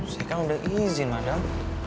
saya kan udah izin adam